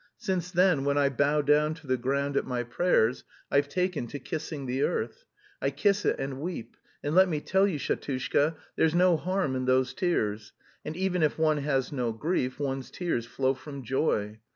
Since then when I bow down to the ground at my prayers, I've taken to kissing the earth. I kiss it and weep. And let me tell you, Shatushka, there's no harm in those tears; and even if one has no grief, one's tears flow from joy.